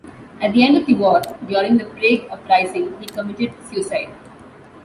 At the end of the war, during the Prague uprising, he committed suicide.